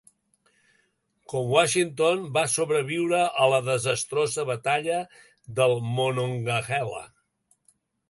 Com Washington, va sobreviure a la desastrosa batalla del Monongahela.